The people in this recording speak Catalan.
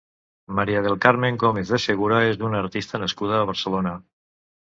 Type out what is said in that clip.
Mª del Carmen Gómez de Segura és una artista nascuda a Barcelona.